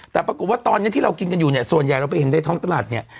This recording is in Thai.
แต่ปรากฏว่าตอนนี้ที่เรากินกันอยู่เนี่ยส่วนใหญ่เราไปเห็นในท้องตลาดเนี่ย